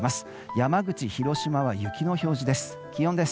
山口、広島は雪の表示です。